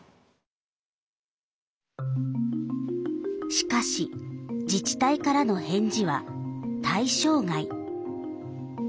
しかし自治体からの返事は「対象外」。